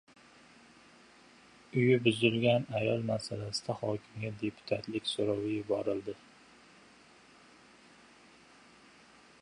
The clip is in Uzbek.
Uyi buzilgan ayol masalasida hokimga deputatlik so‘rovi yuborildi